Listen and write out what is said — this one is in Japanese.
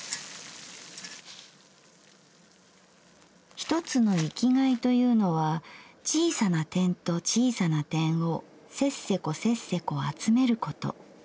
「一つの生きがいというのは小さな点と小さな点をせっせこせっせこ集めること。